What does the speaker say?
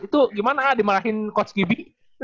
itu gimana ah dimarahin coach givi